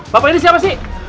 bapak ini siapa sih